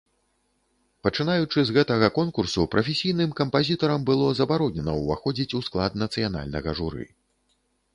Пачынаючы з гэтага конкурсу, прафесійным кампазітарам было забаронена ўваходзіць у склад нацыянальнага журы.